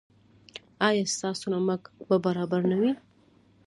ایا ستاسو نمک به برابر نه وي؟